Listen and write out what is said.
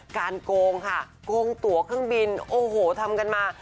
โกงค่ะโกงตัวเครื่องบินโอ้โหทำกันมา